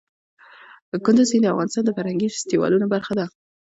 کندز سیند د افغانستان د فرهنګي فستیوالونو برخه ده.